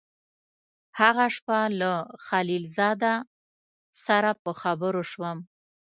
هغه شپه له خلیل زاده سره په خبرو شوم.